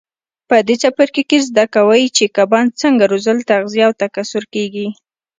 په دې څپرکي کې زده کوئ چې کبان څنګه روزل تغذیه او تکثیر کېږي.